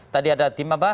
tadi ada tim apa